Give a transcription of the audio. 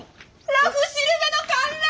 「らふしるべ」の観覧！